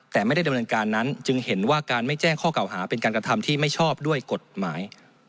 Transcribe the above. แต่ไม่ได้ดำเนินการนั้นจึงเห็นว่าการไม่แจ้งข้อเก่าหาเป็นการกระทำที่ไม่ชอบด้วยกฎหมาย